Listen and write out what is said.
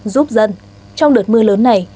giúp dân trong đợt mưa lớn này